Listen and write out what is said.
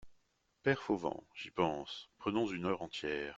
Père Fauvent, j'y pense, prenons une heure entière.